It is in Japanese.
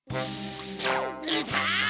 うるさい！